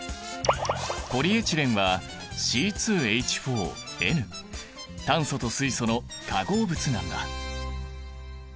ポリエチレンは炭素と水素の化合物なんだ。